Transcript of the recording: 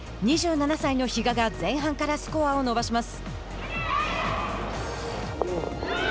２７歳の比嘉が前半からスコアを伸ばします。